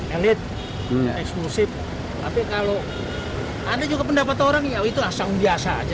elit eksklusif tapi kalau ada juga pendapat orang ya itu asal biasa aja